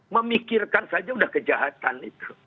memikirkan saja sudah kejahatan itu